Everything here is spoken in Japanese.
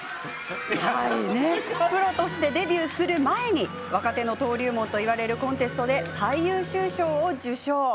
プロとしてデビューする前に若手の登竜門といわれるコンテストで最優秀賞を受賞。